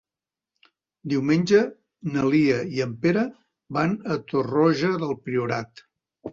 Diumenge na Lia i en Pere van a Torroja del Priorat.